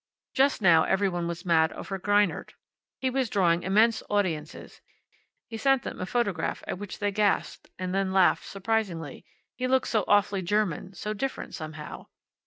Just now every one was mad over Greinert. He was drawing immense audiences. He sent them a photograph at which they gasped, and then laughed, surprisedly. He looked so awfully German, so different, somehow.